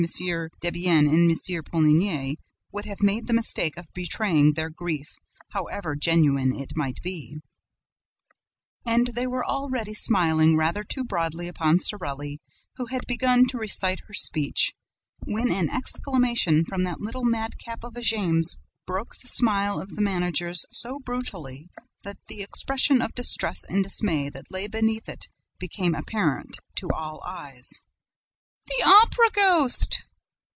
Debienne and M. Poligny would have made the mistake of betraying their grief, however genuine it might be. And they were already smiling rather too broadly upon Sorelli, who had begun to recite her speech, when an exclamation from that little madcap of a Jammes broke the smile of the managers so brutally that the expression of distress and dismay that lay beneath it became apparent to all eyes: "The Opera ghost!"